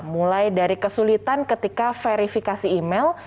mulai dari kesulitan ketika verifikasi email